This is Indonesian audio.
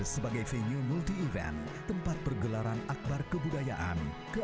setidak menenang itu melintasi nyamik